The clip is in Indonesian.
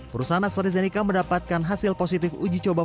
perusahaan astrazeneca mendapatkan hasil positif uji coba